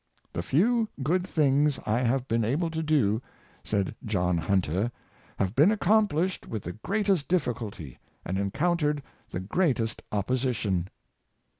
'' The few good things I have been able to do," said John Hunter, " have been accomplished with the greatest difficulty, and encoun tered the greatest opposition."